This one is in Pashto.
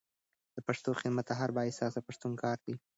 د پښتو خدمت د هر با احساسه پښتون کار دی.